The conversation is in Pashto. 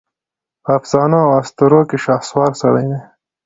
په افسانواواسطوروکې شهسوار سړی دی